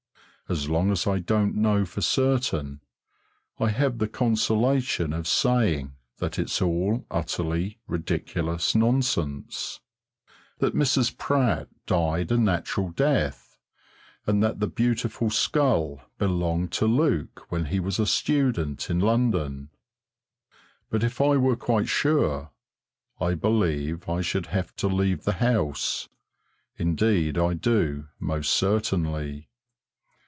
As long as I don't know for certain, I have the consolation of saying that it's all utterly ridiculous nonsense, that Mrs. Pratt died a natural death and that the beautiful skull belonged to Luke when he was a student in London. But if I were quite sure, I believe I should have to leave the house; indeed I do, most certainly.